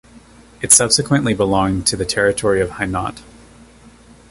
It subsequently belonged to the territory of Hainaut.